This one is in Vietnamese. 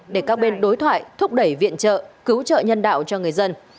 để các bên đối thoại thúc đẩy viện trợ cứu trợ nhân đạo cho người dân